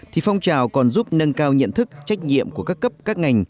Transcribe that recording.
thì phong trào còn giúp nâng cao nhận thức trách nhiệm của các cấp các ngành